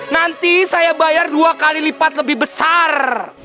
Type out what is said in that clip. nanti saya bayar dua kali lipat lebih besar